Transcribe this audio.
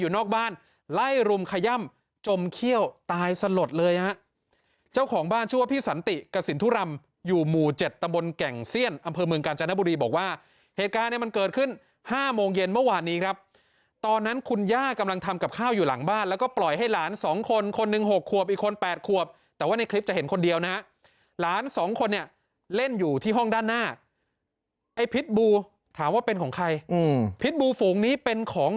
นี้เจ้าของบ้านชื่อพี่สันติกสินทุรรรมอยู่หมู่๗ตะบนแก่งเสี้ยนอำเภอเมืองกาญจนบุรีบอกว่าเหตุการณ์มันเกิดขึ้น๕โมงเย็นเมื่อวานนี้ครับตอนนั้นคุณย่ากำลังทำกับข้าวอยู่หลังบ้านแล้วก็ปล่อยให้หลานสองคนคนหนึ่ง๖ควบอีกคน๘ควบแต่ว่าในคลิปจะเห็นคนเดียวนะหลาน๒คนเนี่ยเล่นอยู่ที่ห้องด้าน